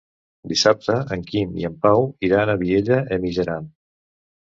Dissabte en Quim i en Pau iran a Vielha e Mijaran.